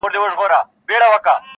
نه ماتېږي مي هیڅ تنده بېله جامه،